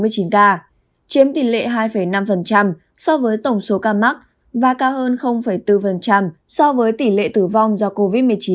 chiếm tỉ lệ hai năm so với tổng số ca mắc và cao hơn bốn so với tỉ lệ tử vong do covid một mươi chín trên thế giới hai một